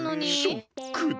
ショックだ。